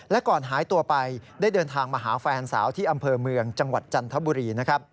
และก่อนหายตัวไปได้เดินทางมาหาแฟนสาวที่อำเภอเมืองจังหวัดจันทบุรี